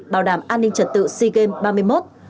bảo đảm an ninh trật tự sea games ba mươi một